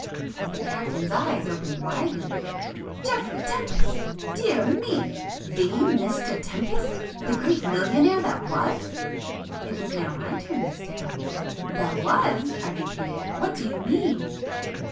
The captain's eyes opened widely. "Geoffrey Tempest! Dear me! ... The Mr Tempest?——the great millionaire that was?" It was now my turn to stare. "That was?" I repeated—"What do you mean?"